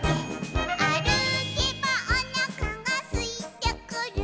「あるけばおなかがすいてくる」